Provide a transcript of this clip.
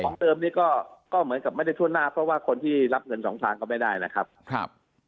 เติมนี่ก็เหมือนกับไม่ได้ทั่วหน้าเพราะว่าคนที่รับเงินสองทางก็ไม่ได้นะครับครับ